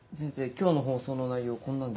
今日の放送の内容こんなんで。